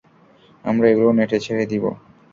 আমরা এগুলো নেটে ছেড়ে দিব।